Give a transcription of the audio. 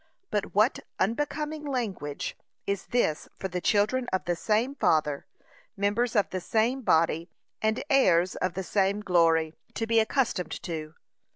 But what unbecoming language is this for the children of the same father, members of the same body, and heirs of the same glory, to be accustomed to?